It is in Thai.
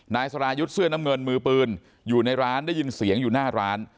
นายสรายุทธ์เสื้อน้ำเงินมือปืนอยู่ในร้านได้ยินเสียงอยู่หน้าร้าน